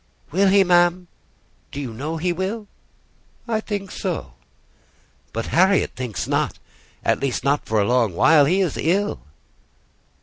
"Will he, ma'am? Do you know he will?" "I think so." "But Harriet thinks not: at least not for a long while. He is ill."